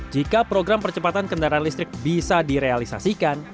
jika program percepatan kendaraan listrik bisa direalisasikan